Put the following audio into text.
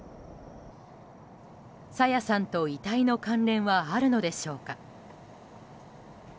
朝芽さんと遺体の関連はあるのでしょうか。